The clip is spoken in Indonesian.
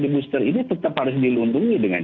di booster ini tetap harus dilindungi dengan